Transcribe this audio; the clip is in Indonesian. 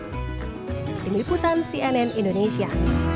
sampai jumpa di sampai jumpa di sampai jumpa di sampai jumpa di indonesia